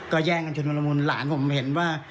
ก็แย่งกันชุดละมุนหลานผมเห็นว่า